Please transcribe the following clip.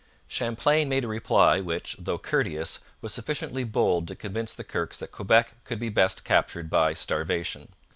Champlain made a reply which, though courteous, was sufficiently bold to convince the Kirkes that Quebec could be best captured by starvation.